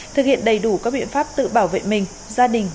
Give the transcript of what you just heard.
thực hiện đầy đủ các biện pháp tự bảo vệ mình gia đình